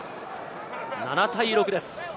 ７対６です。